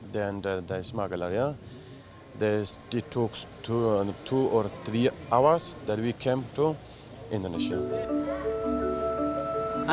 dan kami datang dari area tentu saja kami datang dari kapal